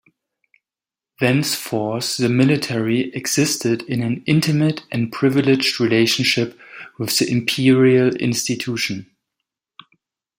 Thenceforth, the military existed in an intimate and privileged relationship with the imperial institution.